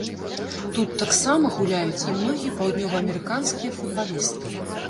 Тут таксама гуляюць і многія паўднёваамерыканскія футбалісты.